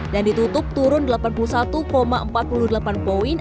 dan ditutup turun delapan puluh satu empat puluh delapan poin